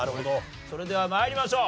それでは参りましょう。